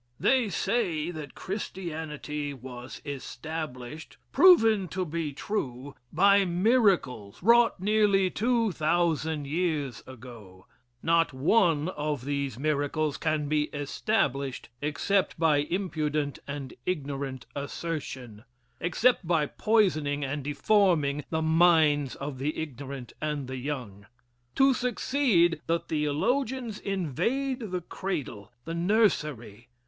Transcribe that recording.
They say that Christianity was established, proven to be true, by miracles wrought nearly two thousand years ago. Not one of these miracles can be established except by impudent and ignorant assertion except by poisoning and deforming the minds of the ignorant and the young. To succeed, the theologians invade the cradle, the nursery.